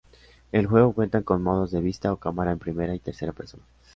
El juego cuenta con modos de vista o cámara en primera y tercera persona.